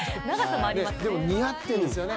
でも似合っているんですよね。